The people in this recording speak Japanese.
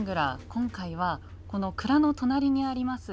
今回はこの蔵の隣にあります